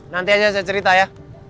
nanti aja saya cerita ya